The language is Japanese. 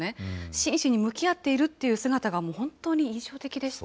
真摯に向き合っているという姿が本当に印象的でした。